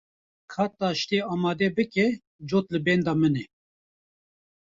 Ka taştê amade bike, cot li benda min e.